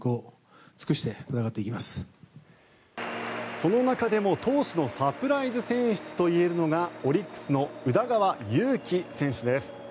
その中でも投手のサプライズ選出といえるのがオリックスの宇田川優希選手です。